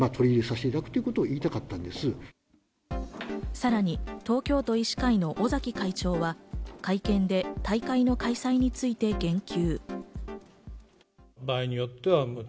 さらに東京都医師会の尾崎会長は会見で大会の開催について言及。